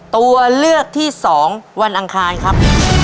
ตัวเลือกที่๒วันอังคารครับ